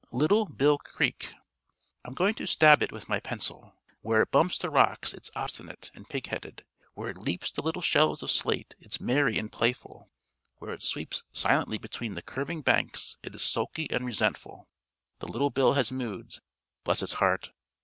"Little Bill Creek." "I'm going to stab it with my pencil. Where it bumps the rocks it's obstinate and pig headed; where it leaps the little shelves of slate it's merry and playful; where it sweeps silently between the curving banks it is sulky and resentful. The Little Bill has moods, bless its heart!